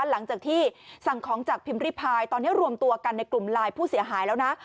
หลังจากที่สั่งของจากพิมพ์ริพายตอนนี้รวมตัวกันในกลุ่มไลน์ผู้เสียหายแล้วนะ